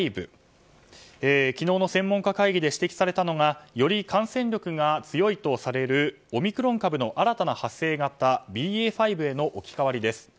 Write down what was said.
昨日の専門家会議で指摘されたのがより感染力が強いとされるオミクロン株の新たな派生型ＢＡ．５への置き換わりです。